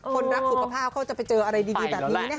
คนรักสุขภาพเขาจะไปเจออะไรดีแบบนี้นะคะ